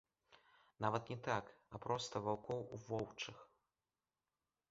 Нават не так, а проста ваўкоў у воўчых.